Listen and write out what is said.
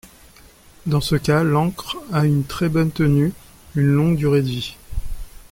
Dans ce cas, l'encre a une très bonne tenue, une longue durée de vie.